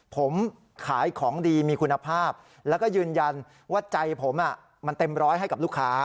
ผมขายของดีมีคุณภาพแล้วก็ยืนยันว่าใจผมมันเต็มร้อยให้กับลูกค้า